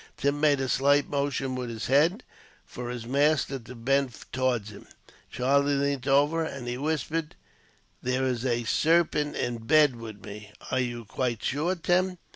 Tim made a slight motion, with his head, for his master to bend towards him. Charlie leant over him, and he whispered: "There is a sarpent in bed with me." "Are you quite sure, Tim?"